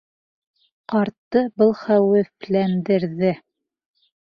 Ҡартты был хәүефләндерҙе.